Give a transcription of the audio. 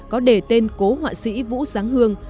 có đề tên cố họa sĩ vũ giáng hương